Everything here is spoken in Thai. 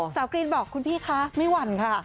กรีนบอกคุณพี่คะไม่หวั่นค่ะ